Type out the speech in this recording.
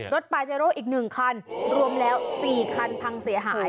ปาเจโร่อีก๑คันรวมแล้ว๔คันพังเสียหาย